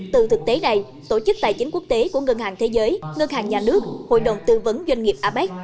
từ thực tế này tổ chức tài chính quốc tế của ngân hàng thế giới ngân hàng nhà nước hội đồng tư vấn doanh nghiệp apec